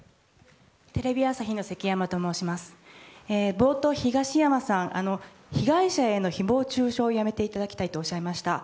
冒頭、東山さん被害者への誹謗中傷をやめていただきたいとおっしゃいました。